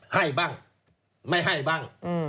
ให้บ้างไม่ให้บ้าง